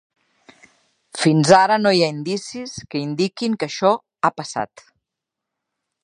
Fins ara no hi ha indicis que indiquin que això ha passat.